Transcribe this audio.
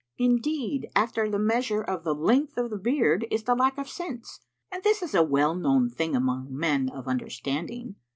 Indeed, after the measure of the length of the beard is the lack of sense; and this is a well known thing among men of understanding.'